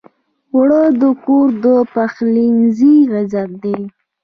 اوړه د کور د پخلنځي عزت دی